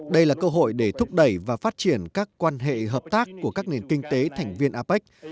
đây là cơ hội để thúc đẩy và phát triển các quan hệ hợp tác của các nền kinh tế thành viên apec